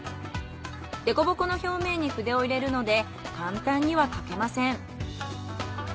デコボコの表面に筆を入れるので簡単には描けません。